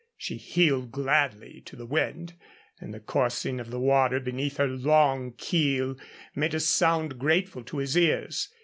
She heeled gladly to the wind, and the coursing of the water beneath her long keel made a sound grateful to his ears.